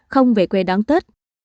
không về quê đón tết